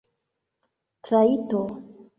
trajto